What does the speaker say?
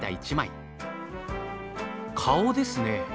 顔ですね。